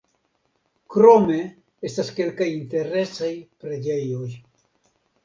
Krome estas kelkaj interesaj preĝejoj.